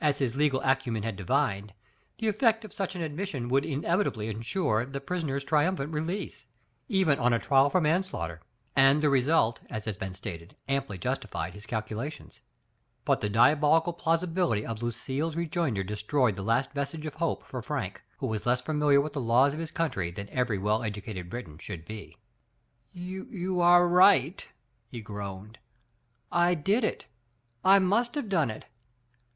his legal acw Digitized by Google F, ANSTEY, 3" men had divined, the effect of such an admission would inevitably insure the prisoner's trium phant release, even on a trial for manslaughter. And the result, as has been stated, amply justi fied his calculations. But the diabolical plausibility of Lucille's re joinder destroyed the last vestige of hope for Frank, who was less familiar with the laws of his country than every well educated Briton should be. You are right," he groaned^ "I did it — I must have done it.